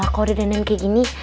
kalau aku udah dendam kayak gini